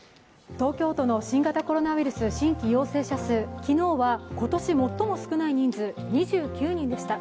東京都の新型コロナウイルス新規陽性数、昨日は今年最も少ない人数、２９人でした。